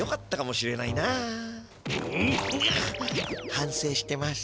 反せいしてます。